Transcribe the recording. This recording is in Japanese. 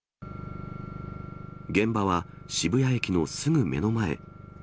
現場は渋谷駅のすぐ目の前。